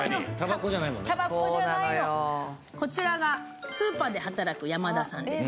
こちらがスーパーで働く山田さんです。